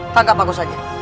tangkap aku saja